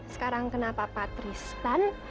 sekarang kenapa patristan